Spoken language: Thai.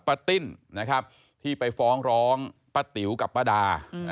ติ้นนะครับที่ไปฟ้องร้องป้าติ๋วกับป้าดา